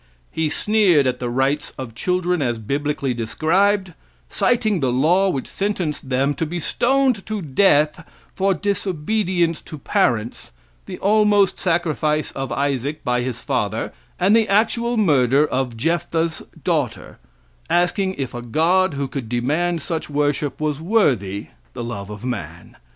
He sneered at the rights of children as biblically described, citing the law which sentenced them to be stoned to death for disobedience to parents, the almost sacrifice of Isaac by his father, and the actual murder of Jephthah's daughter, asking if a God who could demand such worship was worthy the love of man.